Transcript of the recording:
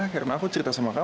karena aku cerita sama kamu kan